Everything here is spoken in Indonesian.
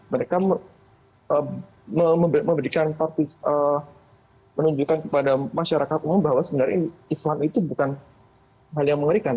mereka menunjukkan kepada masyarakat umum bahwa sebenarnya islam itu bukan hal yang mengerikan